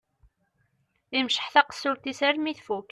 Imceḥ taqessult-is armi tfukk.